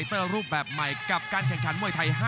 กรุงฝาพัดจินด้า